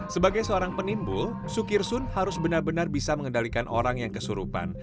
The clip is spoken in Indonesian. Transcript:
sebagai seorang penimbul sukirsun harus benar benar bisa mengendalikan orang yang kesurupan